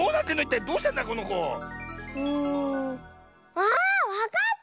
ああっわかった！